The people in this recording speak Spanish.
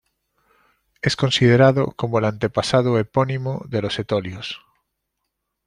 Es considerado como el antepasado epónimo de los etolios.